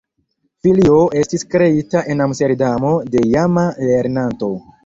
Filio estis kreita en Amsterdamo de iama lernanto.